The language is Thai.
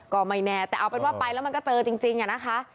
ก็ไม่แน่แต่เอาเป็นว่าไปแล้วมันก็เจอจริงอะนะคะ